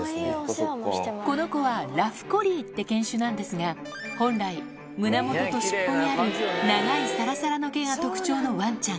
この子はラフ・コリーって犬種なんですが、本来、胸元と尻尾にある長いさらさらの毛が特徴のワンちゃん。